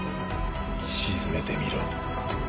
沈めてみろ。